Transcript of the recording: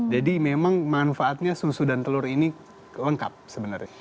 jadi memang manfaatnya susu dan telur ini lengkap sebenarnya